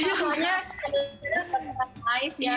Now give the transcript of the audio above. ada yang nonton live ya